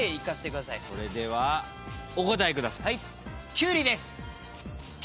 それではお答えください。